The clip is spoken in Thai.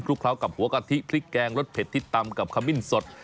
เคล้ากับหัวกะทิพริกแกงรสเผ็ดที่ตำกับขมิ้นสด